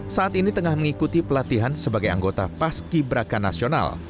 saat ini tengah mengikuti pelatihan sebagai anggota paski braka nasional